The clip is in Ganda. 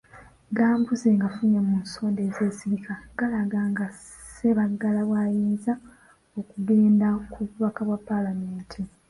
Gambuuze g'afunye mu nsonda ezeesigika galaga nga Ssebaggala bw'ayinza okugenda ku bubaka bwa Paalamenti.